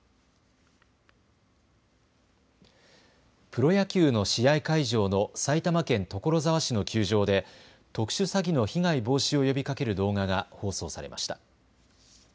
プロ野球の試合会場の埼玉県所沢市の球場で特殊詐欺の被害防止を呼びかける動画が放送されました。